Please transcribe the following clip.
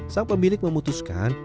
sang pemilik memutuskan